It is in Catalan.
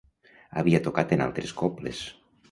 Havia tocat en altres cobles.